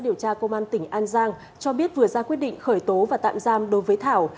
cơ quan cảnh sát điều tra công an tỉnh an giang cho biết vừa ra quyết định khởi tố và tạm giam đối với thảo